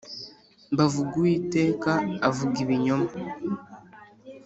bavugako uwiteka avuga ibinyoma